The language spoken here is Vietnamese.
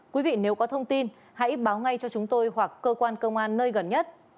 quý vị nếu có thông tin hãy báo ngay cho chúng tôi hoặc cơ quan công an nơi gần nhất